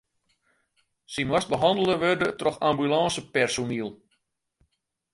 Sy moast behannele wurde troch ambulânsepersoniel.